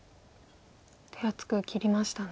手厚く切りましたね。